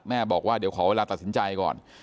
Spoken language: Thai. บอกว่าเดี๋ยวขอเวลาตัดสินใจก่อน